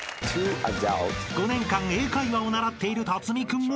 ［５年間英会話を習っている辰巳君も］